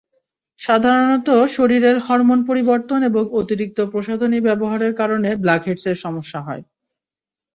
সাধারণত শরীরের হরমোন পরিবর্তন এবং অতিরিক্ত প্রসাধনী ব্যবহারের কারনে ব্ল্যাকহেডসের সমস্যা হয়।